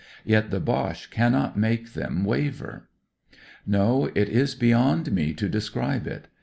Yet the Boche cannot make them waver. " No, it is beyond me to describe it.